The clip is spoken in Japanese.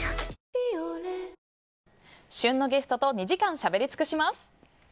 「ビオレ」旬のゲストと２時間しゃべり尽します。